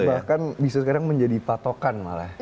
bahkan bisa sekarang menjadi patokan malah